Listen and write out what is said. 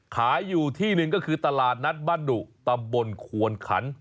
ขายอยู่ที่หนึ่งก็คือตลาดนัดบ้านดุตำบลควนขัน